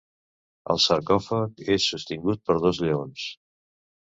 El sarcòfag és sostingut per dos lleons.